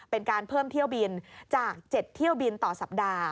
เป็นการเพิ่มเที่ยวบินจาก๗เที่ยวบินต่อสัปดาห์